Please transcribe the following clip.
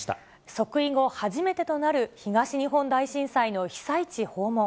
即位後初めてとなる東日本大震災の被災地訪問。